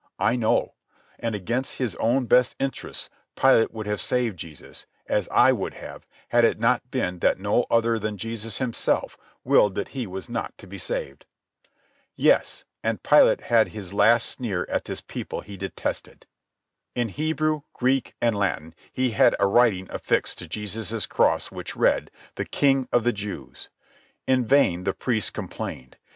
I know. And against his own best interests Pilate would have saved Jesus, as I would have, had it not been that no other than Jesus himself willed that he was not to be saved. Yes, and Pilate had his last sneer at this people he detested. In Hebrew, Greek, and Latin he had a writing affixed to Jesus' cross which read, "The King of the Jews." In vain the priests complained.